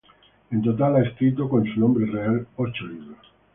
En total, ha escrito —con su nombre real— ocho libros.